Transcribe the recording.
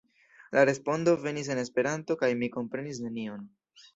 La respondo venis en Esperanto kaj mi komprenis nenion.